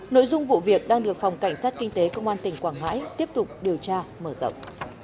nội dung vụ việc đang được phòng cảnh sát kinh tế công an tỉnh quảng ngãi tiếp tục điều tra mở rộng